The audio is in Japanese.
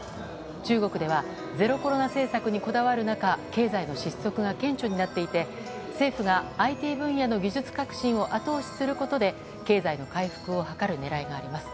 中国ではゼロコロナ政策にこだわる中経済の失速が顕著になっていて政府がＩＴ分野の技術革新を後押しすることで経済の回復を図る狙いがあります。